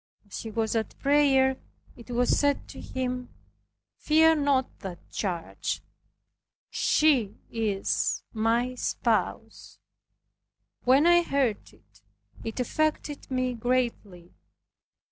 As he was at prayer, it was said to him, "Fear not that charge; she is my spouse." When I heard this, it affected me greatly.